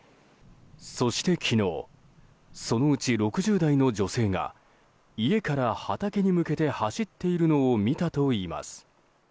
そして昨日そのうち６０代の女性が家から畑に向けて走っているのを見たといいます。